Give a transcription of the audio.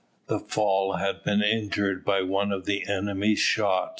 The fall had been injured by one of the enemy's shot.